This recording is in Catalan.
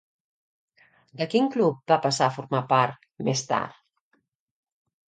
De quin club va passar a formar part, més tard?